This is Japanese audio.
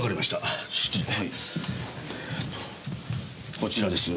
こちらです。